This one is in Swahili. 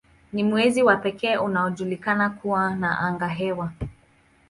Ni mwezi wa pekee unaojulikana kuwa na angahewa.